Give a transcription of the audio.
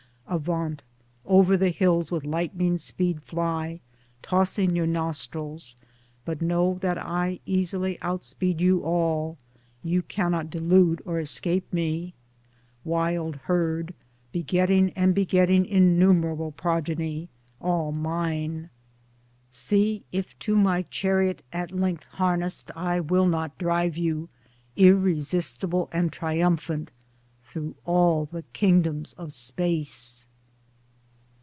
Avaunt ! Over the hills with lightning speed fly, tossing your nostrils : but know that I easily outspeed you all — you cannot delude or escape Me. Wild herd ! begetting and begetting innumerable progeny (all mine), See if to my chariot at length harnessed I will not drive you, irresistible and triumphant, through all the kingdoms of Space.